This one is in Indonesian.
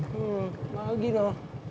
hmm bahagi doh